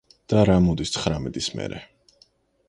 და რა მოდის ცხრამეტის მერე?